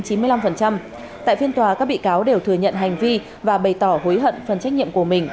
tại phiên tòa các bị cáo đều thừa nhận hành vi và bày tỏ hối hận phần trách nhiệm của mình